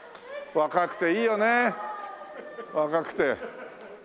若くて。